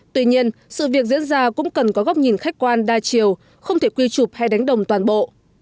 tuy nhiên sự việc diễn ra cũng cần có góc nhìn khách quan đa chiều không thể quy trục hay đánh đồng toàn bộ